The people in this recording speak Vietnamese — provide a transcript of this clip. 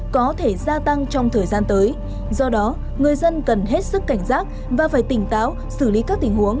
có thể gia tăng trong thời gian tới do đó người dân cần hết sức cảnh giác và phải tỉnh táo xử lý các tình huống